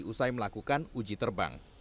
usai melakukan uji terbang